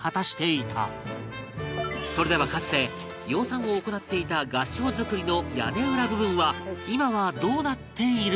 それではかつて養蚕を行っていた合掌造りの屋根裏部分は今はどうなっているのか？